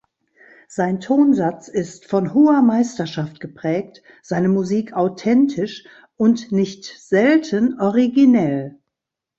Sein Tonsatz ist von hoher Meisterschaft geprägt, seine Musik authentisch und nicht selten originell.